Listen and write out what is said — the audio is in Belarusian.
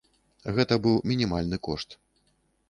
Гэта быў мінімальны кошт.